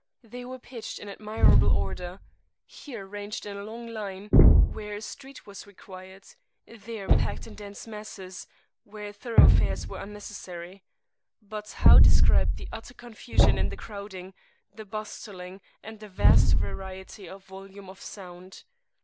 They were pitched in admirable order: here ranged in a long line, [p.418]where a street was required; there packed in dense masses, where thoroughfares were unnecessary. But how describe the utter confusion in the crowding, the bustling, and the vast variety and volume of sound?